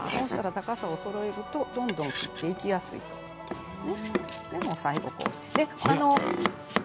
高さをそろえると切っていきやすいです。